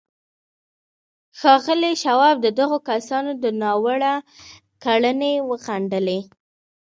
ښاغلي شواب د دغو کسانو دا ناوړه کړنې وغندلې